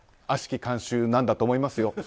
悪しき慣習なんだと思いますよ